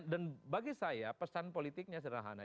dan bagi saya pesan politiknya sederhana